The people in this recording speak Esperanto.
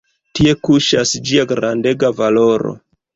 Tie kuŝas ĝia grandega valoro.